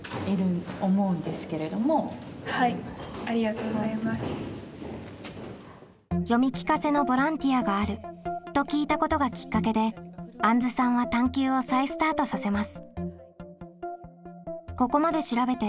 そういう「読み聞かせのボランティアがある」と聞いたことがきっかけであんずさんは探究を再スタートさせます。